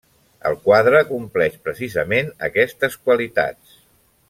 El quadre compleix precisament aquestes qualitats.